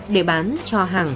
để bán cho hàng